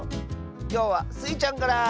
きょうはスイちゃんから！